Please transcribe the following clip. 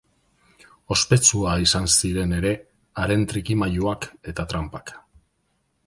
Ospetsua izan ziren ere haren trikimailuak eta tranpak.